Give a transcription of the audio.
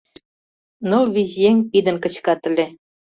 Ныл-вич еҥ пидын кычкат ыле.